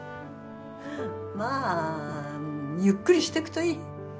まあゆっくりしてくといい。